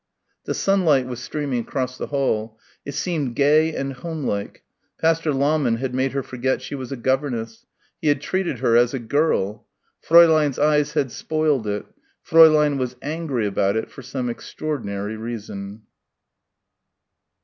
The sunlight was streaming across the hall. It seemed gay and home like. Pastor Lahmann had made her forget she was a governess. He had treated her as a girl. Fräulein's eyes had spoiled it. Fräulein was angry about it for some extraordinary reason.